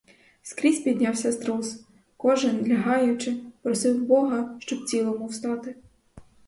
Скрізь піднявся струс; кожен, лягаючи, просив бога, щоб цілому встати.